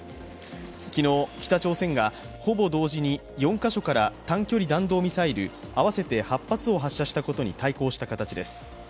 昨日、北朝鮮がほぼ同時に４カ所から短距離弾道ミサイル合わせて８発を発射したことに対抗した形です。